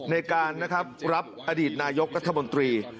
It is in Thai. ในการนะครับรับอดีตนายกรัฐมนตรี